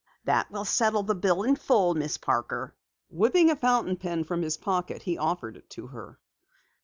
"That will settle the bill in full, Miss Parker." Whipping a fountain pen from his pocket, he offered it to her.